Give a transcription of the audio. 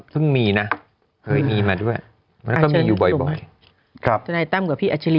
ซึ่งมีนะเคยมีมาด้วยแล้วก็มีอยู่บ่อย